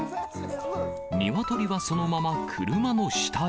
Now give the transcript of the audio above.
ニワトリはそのまま車の下へ。